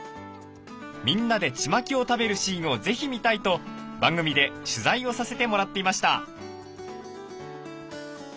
みんなでチマキを食べるシーンを是非見たいと番組で取材をさせてもらっていました。